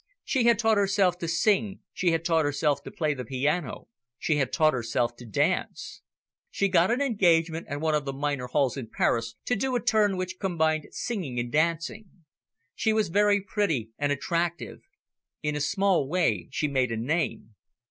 She had taught herself to sing, she had taught herself to play the piano, she had taught herself to dance. She got an engagement at one of the minor halls in Paris to do a turn which combined singing and dancing. She was very pretty and attractive. In a small way she made a name.